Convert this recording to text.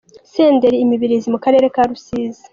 Senderi i Mibirizi mu karere ka Rusizi.